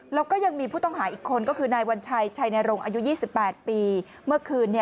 แล้วก็ยังมีผู้ต้องหาอีกคนก็คือนายวัญชัยชัยนรงค์อายุ๒๘ปีเมื่อคืน